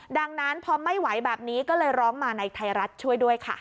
ดังนั้นพอไม่ไหวแบบนี้ก็เลยร้องมาในไทยรัฐช่วยด้วยค่ะ